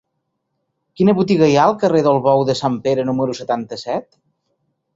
Quina botiga hi ha al carrer del Bou de Sant Pere número setanta-set?